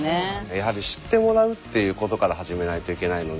やはり知ってもらうっていうことから始めないといけないので。